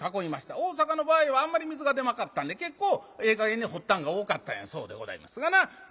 大坂の場合はあんまり水が出なかったんで結構ええ加減に掘ったんが多かったんやそうでございますがな。